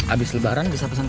abis lebaran bisa pesan